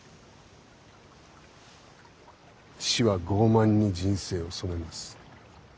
死は傲慢に人生を染めます。